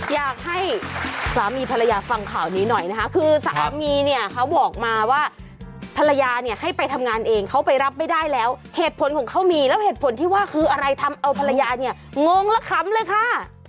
อยากให้สามีภรรยาฟังข่าวนี้หน่อยนะคะคือสามีเนี่ยเขาบอกมาว่าภรรยาเนี่ยให้ไปทำงานเองเขาไปรับไม่ได้แล้วเหตุผลของเขามีแล้วเหตุผลที่ว่าคืออะไรทำเอาภรรยาเนี่ยงงและขำเลยค่ะ